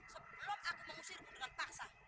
sebelum aku mengusirmu dengan paksa